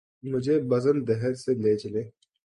مجھے بزم دہر سے لے چلے